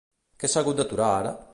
Què s'ha hagut d'aturar ara?